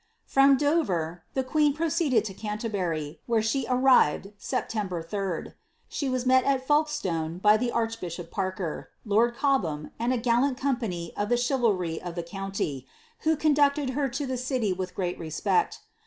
* From Dover, the queen proceeded to Canterbury, where she arrived September 3d. She was met at Folkestone by the archbishop Parker, lord Cobham, and a gallant company of the chivalry of the county, who conducted her to the city with great respect.